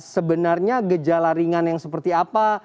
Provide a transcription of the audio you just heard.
sebenarnya gejala ringan yang seperti apa